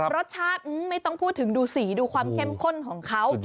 รสชาติไม่ต้องพูดถึงดูสีดูความเข้มข้นของเขา